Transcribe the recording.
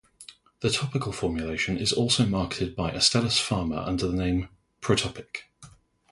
The topical formulation is also marketed by Astellas Pharma under the name Protopic.